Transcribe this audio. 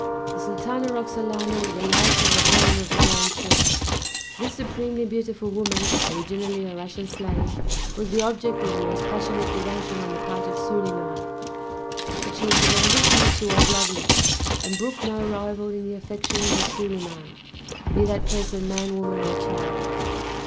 The Sultana Roxalana was the light of the harem of the Grand Turk. This supremely beautiful woman, originally a Russian slave, was the object of the most passionate devotion on the part of Soliman; but she was as ambitious as she was lovely, and brooked no rival in the affections of Soliman, be that person man, woman, or child.